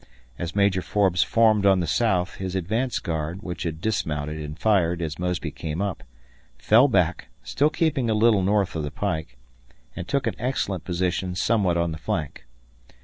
As Major Forbes formed on the south, his advance guard, which had dismounted and fired as Mosby came up, fell back, still keeping a little north of the pike, and took an excellent position somewhat on the flank.